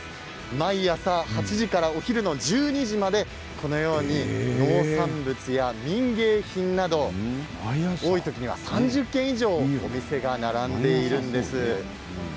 毎朝８時からお昼の１２時までこのように農産物や民芸品など多い時には３０軒以上お店が並んでいるんです。